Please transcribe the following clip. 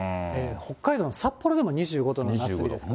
北海道の札幌でも２５度の夏日ですからね。